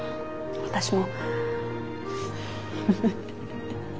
私も。